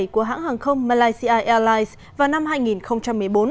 của hãng hàng không malaysia airlines vào năm hai nghìn một mươi bốn